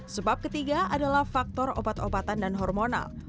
sebab ketiga adalah faktor obat obatan dan hormonal